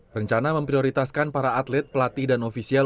rencana memprioritaskan para atlet pelatih dan ofisial